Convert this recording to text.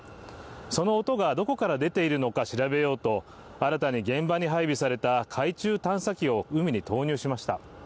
その音がどこから出ているのか調べようと新たに現場に配備された海中探査機を海に投入しました。